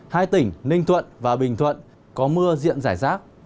hai tỉnh ninh thuận và bình thuận có mưa diện giải rác